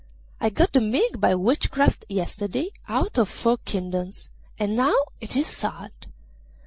I got the milk by witchcraft yesterday out of four kingdoms, and now it is salt!